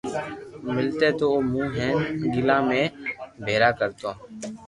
ملتي تو او مون ھين گلا ۾ ڀآرا ڪرتو